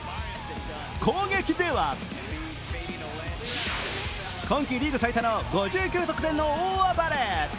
攻撃では今季リーグ最多の５９得点の大暴れ。